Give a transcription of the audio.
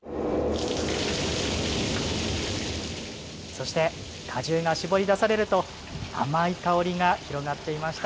そして果汁が搾り出されると甘い香りが広がっていました。